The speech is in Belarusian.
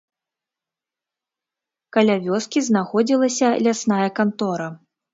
Каля вёскі знаходзілася лясная кантора.